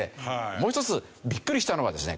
もう一つビックリしたのはですね